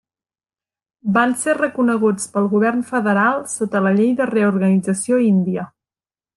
Van ser reconeguts pel govern federal, sota la Llei de Reorganització Índia.